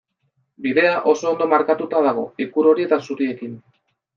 Bidea oso ondo markatuta dago ikur hori eta zuriekin.